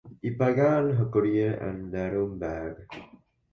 She began her career in Nuremberg.